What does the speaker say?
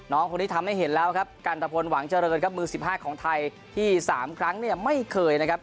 น้องคนนี้ทำให้เห็นแล้วครับกันตะพลหวังเจริญครับมือสิบห้าของไทยที่๓ครั้งเนี่ยไม่เคยนะครับ